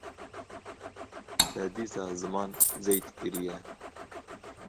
Te dîsa ziman zeyt kiriye